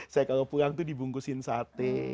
saya kalau pulang tuh dibungkusin sate